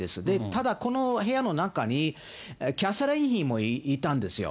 ただ、この部屋の中にキャサリン妃もいたんですよ。